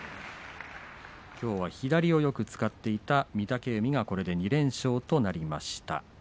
きょうは左をよく使っていた御嶽海がこれで２連勝です。